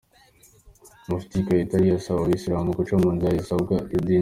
Mufti Kayitare asaba Abayisilamu guca mu nzira zisabwa n’idini….